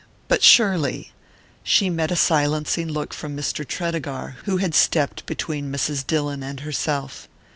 But surely " She met a silencing look from Mr. Tredegar, who had stepped between Mrs. Dillon and herself.